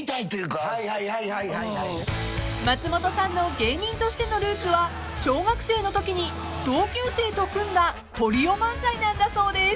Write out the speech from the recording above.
［松本さんの芸人としてのルーツは小学生のときに同級生と組んだトリオ漫才なんだそうです］